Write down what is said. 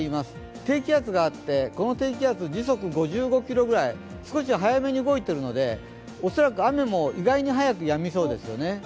低気圧があって、この低気圧時速５５キロぐらい、少し早めに動いているので恐らく雨も意外に早くやみそうですよね。